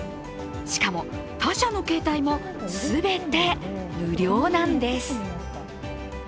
しかも他社の携帯も全て無料なんです。